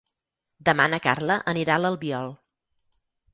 Demà na Carla anirà a l'Albiol.